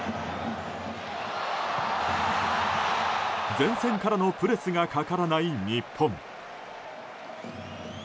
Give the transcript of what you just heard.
前線からのプレスがかからない日本。